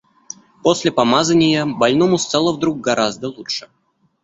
После помазания больному стало вдруг гораздо лучше.